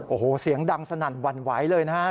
โอ้โหเสียงดังสนั่นหวั่นไหวเลยนะครับ